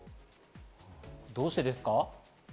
どうしてですか？